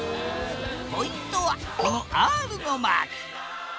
ポイントはこのＲのマーク。